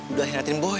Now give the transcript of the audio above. udah hihatin boy